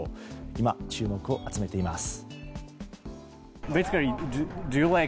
今、注目を集めています。